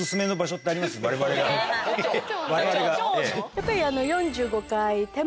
・やっぱり。